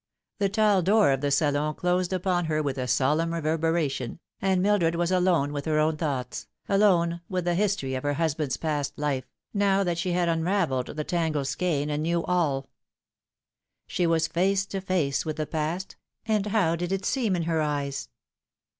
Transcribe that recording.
The tall door of the salon closed upon her with a solemn rever beration, and Mildred was alone with her own thoughts, alone with the history of her husband's past life, now that she had un ravelled the tangled skein and knew all. She was face to face with the past, and how did it seem in her eyes